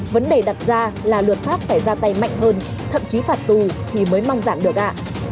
vấn đề đặt ra là luật pháp phải ra tay mạnh hơn thậm chí phạt tù thì mới mong giảm được cả